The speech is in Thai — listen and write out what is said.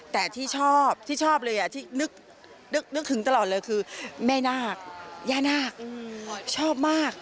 แต่ที่ชอบที่ชอบเลยที่นึกถึงตลอดเลยคือแม่นาคย่านาคชอบมาก